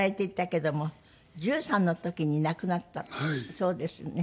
そうですね。